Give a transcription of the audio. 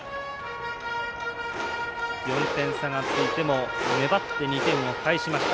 ４点差がついても粘って２点を返しました。